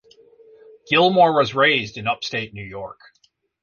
Gilmore was raised in upstate New York.